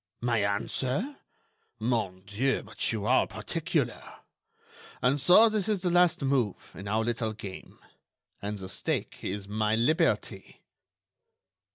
"My answer? Mon dieu! but you are particular!... And so this is the last move in our little game—and the stake is my liberty!"